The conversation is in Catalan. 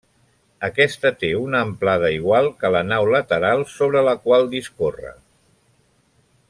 Aquesta té una amplada igual que la nau lateral sobra la qual discorre.